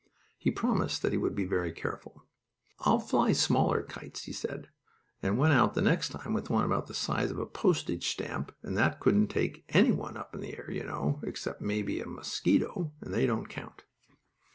He promised that he would be very careful. "I'll fly smaller kites," he said, and he went out the next time with one about the size of a postage stamp, and that couldn't take any one up in the air, you know, except, maybe, a mosquito, and they don't count.